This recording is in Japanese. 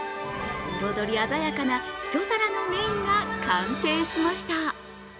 彩り鮮やかな一皿のメインが完成しました。